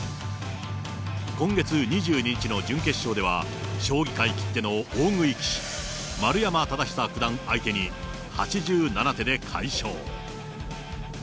今月２２日の準決勝では、将棋界きっての大食い棋士、丸山忠久九段相手に、８７手で快勝。